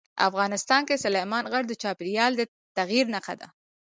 افغانستان کې سلیمان غر د چاپېریال د تغیر نښه ده.